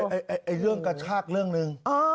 อะอ้ะในเรื่องกระชากเรื่องนึง